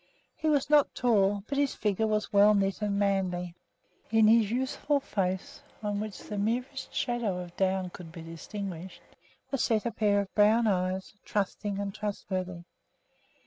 He was not tall, but his figure was well knit and manly. In his youthful face, on which the merest shadow of down could be distinguished, was set a pair of brown eyes, trusting and trustworthy.